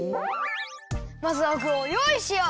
まずはぐをよういしよう！